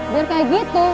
bukan kayak gitu